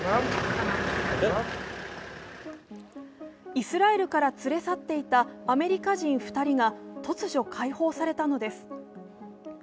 イスラエルから連れ去っていたアメリカ人２人が突如、解放されたのです。